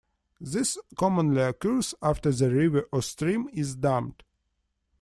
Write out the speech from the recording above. This commonly occurs after the river or stream is dammed.